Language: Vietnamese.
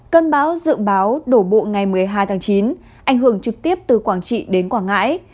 cơn bão dự báo đổ bộ ngày một mươi hai tháng chín ảnh hưởng trực tiếp từ quảng trị đến quảng ngãi